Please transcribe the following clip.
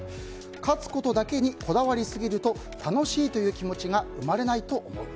勝つことだけにこだわりすぎると楽しいという気持ちが生まれないと思う。